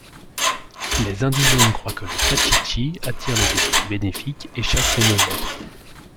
Les indigènes croient que le caxixi attire les esprits bénéfiques et chasse les mauvais.